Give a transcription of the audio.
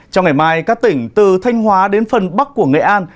trong ngày mai các tỉnh từ thanh hóa đến phần bắc của nghệ an